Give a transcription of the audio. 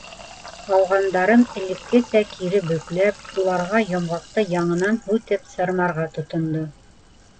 Ҡалғандарын элеккесә кире бөкләп, уларға йомғаҡты яңынан һүтеп сырмарға тотондо.